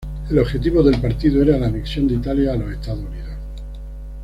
El objetivo del partido era la anexión de Italia a los Estados Unidos.